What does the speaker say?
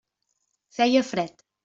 Feia fred.